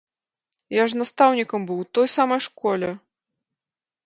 Я ж настаўнікам быў у той самай школе.